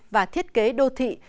và thiết kế đô thị